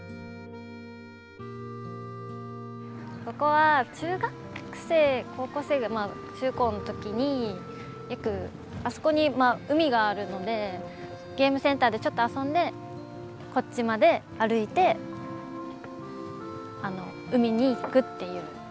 ここは中学生高校生がまあ中高の時によくあそこに海があるのでゲームセンターでちょっと遊んでこっちまで歩いて海に行くっていう。